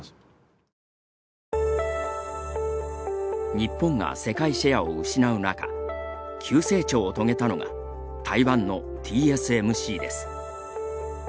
日本が世界シェアを失う中急成長を遂げたのが台湾のＴＳＭＣです。